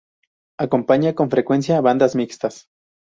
Acompaña con frecuencia bandadas mixtas.